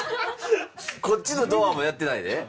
こっちのドアもやってないで。